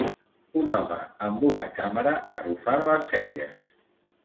Un home amb una càmera arrufant les celles.